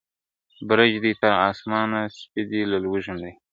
برج دي تر آسمانه، سپي دي له لوږي مري ..